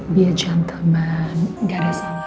be a gentleman gak ada salah